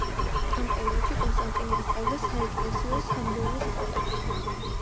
ამ პერიოდში კონსტანტინე ასწავლიდა საეკლესიო-სამრევლო სკოლაში.